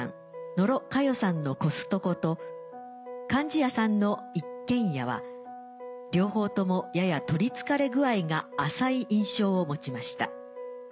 野呂佳代さんのコストコと貫地谷さんの一軒家は両方ともやや取り憑かれ具合が浅い印象を持ちました。